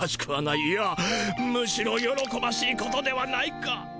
いやむしろよろこばしいことではないか。